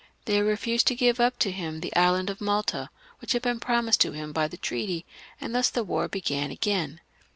They refused to give up to him the island of Malta, which had been promised to him by the treaty, and thus the war began again.